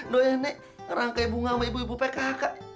doyane rangkai bunga sama ibu ibu pkk